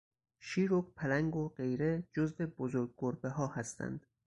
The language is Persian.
شیر و پلنگ و غیره جزو بزرگ گربهها هستند.